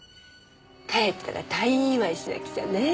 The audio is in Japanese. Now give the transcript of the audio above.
帰ったら退院祝いしなくちゃね。